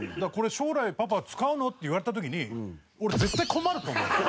「これ将来パパ使うの？」って言われた時に俺絶対困ると思う。